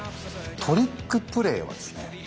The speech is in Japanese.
トリックプレーはですね